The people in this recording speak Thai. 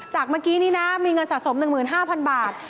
เมื่อกี้นี้นะมีเงินสะสม๑๕๐๐๐บาท